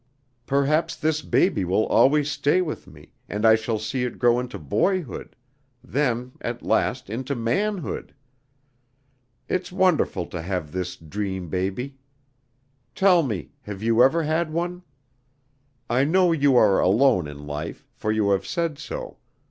Perhaps this baby will always stay with me, and I shall see it grow into boyhood, then, at last, into manhood. It's wonderful to have this dream baby! Tell me, have you ever had one? I know you are alone in life, for you have said so.